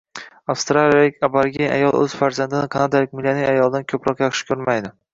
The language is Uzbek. Avstraliyalik aborigen ayol o’z farzandini kanadalik millioner ayoldan ko’proq yaxshi ko’rmaydi.